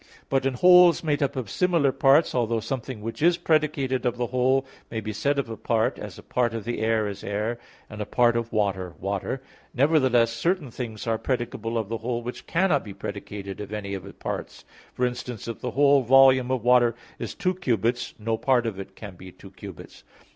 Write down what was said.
But in wholes made up of similar parts, although something which is predicated of the whole may be predicated of a part (as a part of the air is air, and a part of water, water), nevertheless certain things are predicable of the whole which cannot be predicated of any of the parts; for instance, if the whole volume of water is two cubits, no part of it can be two cubits.